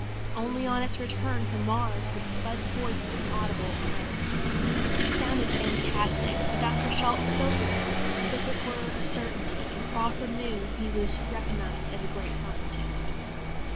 Only on its return from Mars would Spud's voice become audible on Earth. It sounded fantastic but Dr. Shalt spoke of it as if it were a certainty and Crawford knew he was recognized as a great scientist.